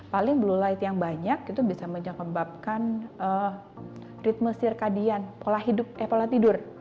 paling blue light yang banyak itu bisa menyebabkan ritme sirkadian eh pola tidur